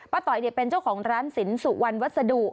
ต่อยเป็นเจ้าของร้านสินสุวรรณวัสดุ